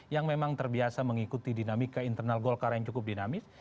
yang memang terbiasa mengikuti dinamika internal golkar yang cukup dinamis